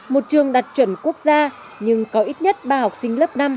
một trường đạt chuẩn quốc gia nhưng có ít nhất ba học sinh lớp năm